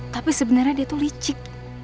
tapi sebenarnya dia tuh licik